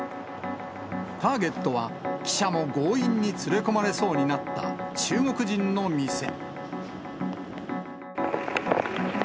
ターゲットは、記者も強引に連れ込まれそうになった中国人の店。